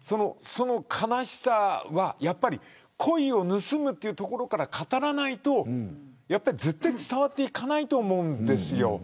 その悲しさはコイを盗むというところから語らないと絶対に伝わっていかないと思うんですよ。